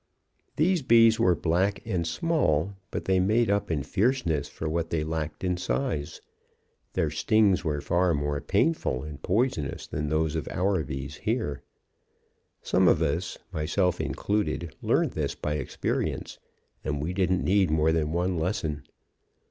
"These bees were black and small; but they made up in fierceness for what they lacked in size. Their stings were far more painful and poisonous than those of our bees here. Some of us, myself included, learned this by experience; and we didn't need more than one lesson.